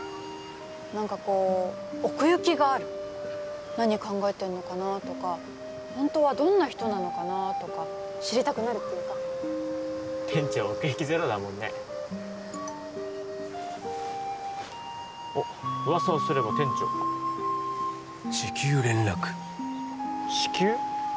何かこう奥行きがある何考えてんのかなあとかホントはどんな人なのかな？とか知りたくなるっていうか店長奥行きゼロだもんねおっ噂をすれば店長「四球れんらく」四球？